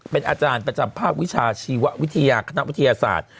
เป็นอาจารย์ประจำภาควิชาชีววิทยาคณะวิทยาศาสตร์